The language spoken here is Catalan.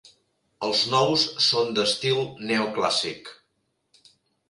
Els nous són d'estil neoclàssic.